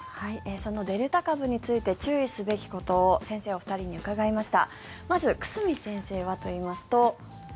そのデルタ株について注意すべきことを先生お二人に伺いました。